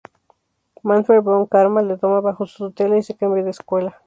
Manfred Von Karma lo toma bajo su tutela, y se cambia de escuela.